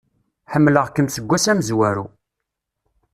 Ḥemmleɣ-kem seg ass amezwaru.